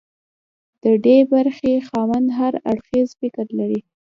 د ډي برخې خاوند هر اړخیز فکر لري.